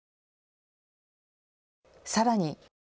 さらに。